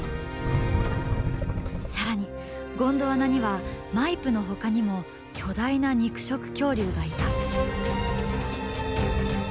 更にゴンドワナにはマイプのほかにも巨大な肉食恐竜がいた。